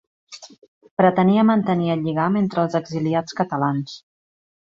Pretenia mantenir el lligam entre els exiliats catalans.